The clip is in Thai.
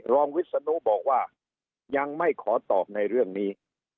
วิศนุบอกว่ายังไม่ขอตอบในเรื่องนี้